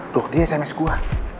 tuh dia sms gua